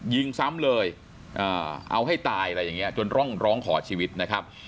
ยิงซ้ำเลยเอาให้ตายอะไรอย่างนี้จนร่องร้องขอชีวิตนะครับ